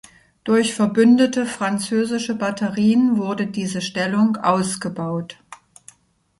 Durch verbündete französische Batterien wurde diese Stellung ausgebaut.